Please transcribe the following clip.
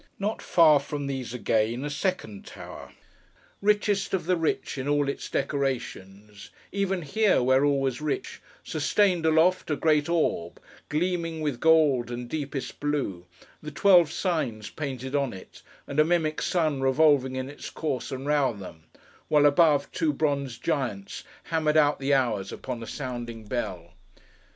Not far from these again, a second tower: richest of the rich in all its decorations: even here, where all was rich: sustained aloft, a great orb, gleaming with gold and deepest blue: the Twelve Signs painted on it, and a mimic sun revolving in its course around them: while above, two bronze giants hammered out the hours upon a sounding bell.